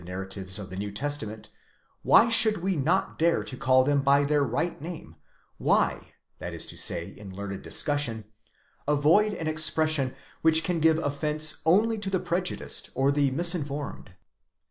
narratives of the New Testament, why should we not dare to call them by their right name; why—that is to say in learned discussion—avoid an ex pression which can give offence only to the prejudiced or the misinformed